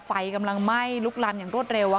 ไฟกำลังไหม้ลุงรันอย่างรวดเร็วอ่ะค่ะ